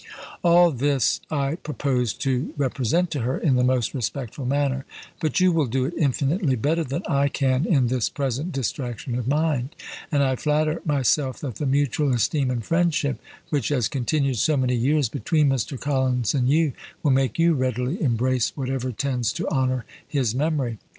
All this I proposed to represent to her in the most respectful manner; but you will do it infinitely better than I can in this present distraction of mind; and I flatter myself that the mutual esteem and friendship which has continued so many years between Mr. Collins and you, will make you readily embrace whatever tends to honour his memory.